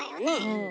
うん。